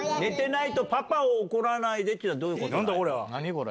これ。